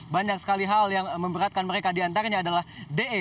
banyak sekali hal yang memberatkan mereka diantaranya adalah de